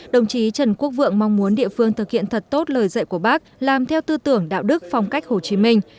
đồng chí trần quốc vượng mong muốn địa phương thực hiện thật tốt lời dạy của bác làm theo tư tưởng đạo đức phong cách hồ chí minh